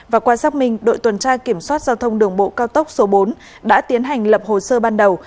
và qua xác minh đội tuần tra kiểm soát giao thông đường bộ cao tốc số bốn đã tiến hành lập hồ sơ ban đầu